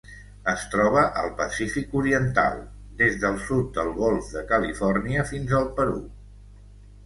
Es troba al Pacífic oriental: des del sud del Golf de Califòrnia fins al Perú.